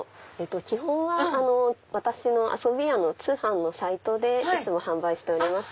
基本は私のあそ美やの通販のサイトでいつも販売しております。